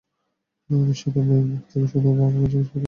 আমি সেটা মায়ের মুখ থেকে শুনে বাবাকে জিজ্ঞেস করে কোনো আওয়াজ পাইনি।